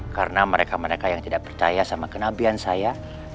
karena mereka mereka yang tidak percaya sama kenabian saya